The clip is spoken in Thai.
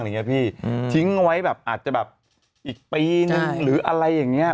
อย่างนี้พี่ทิ้งเอาไว้แบบอาจจะแบบอีกปีนึงหรืออะไรอย่างเงี้ย